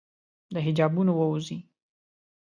د حجابونو ووزي